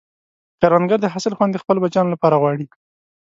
کروندګر د حاصل خوند د خپلو بچیانو لپاره غواړي